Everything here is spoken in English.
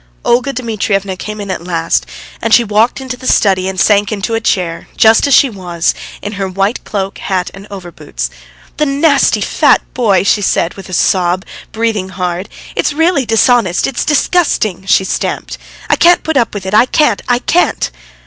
Olga Dmitrievna came in at last, and she walked into the study and sank into a chair just as she was in her white cloak, hat, and overboots. "The nasty, fat boy," she said with a sob, breathing hard. "It's really dishonest; it's disgusting." She stamped. "I can't put up with it; I can't, I can't!"